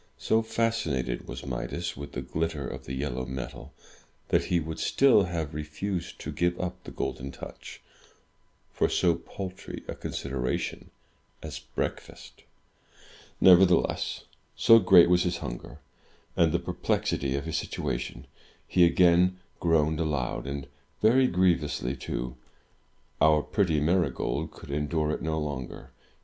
So fascinated was Midas with the glitter of the yellow metal, that he would still have refused to give up the Golden Touch for so paltry a consideration as breakfast. Nevertheless, so great was his hunger, and the perplexity of his situation, he again groaned aloud, and very grievously too. Our pretty Marygold could endure it no longer.